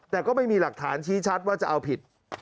แต่ก็ไม่มีหลักฐานชี้ชัดว่าจะเอาผิด